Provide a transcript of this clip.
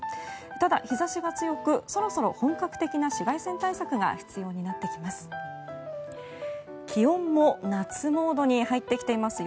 ただ、日差しが強くそろそろ本格的な紫外線対策が必要になってきます。